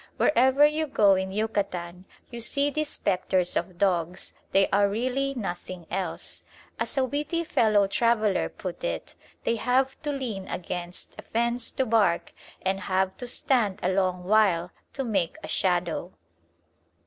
Wherever you go in Yucatan you see these spectres of dogs: they are really nothing else. As a witty fellow traveller put it, they have to lean against a fence to bark and have to stand a long while to make a shadow.